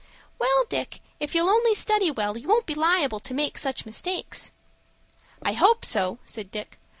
"Well, Dick, if you'll only study well, you won't be liable to make such mistakes." "I hope so," said Dick.